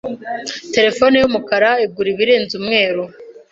Terefone yumukara igura ibirenze umweru. (lukaszpp)